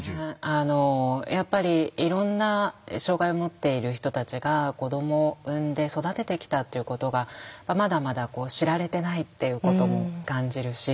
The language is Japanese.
あのやっぱりいろんな障害をもっている人たちが子どもを産んで育ててきたっていうことがまだまだ知られてないっていうことも感じるし。